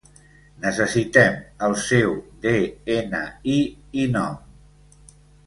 Necessitem el seu de-ena-i i nom.